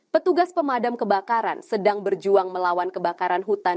petugas pemadam kebakaran sedang berjuang melawan kebakaran hutan